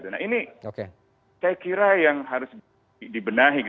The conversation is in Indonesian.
nah ini saya kira yang harus dibenahi